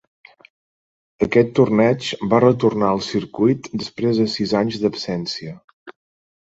Aquest torneig va retornar al circuit després de sis anys d'absència.